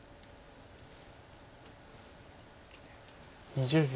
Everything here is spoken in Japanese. ２０秒。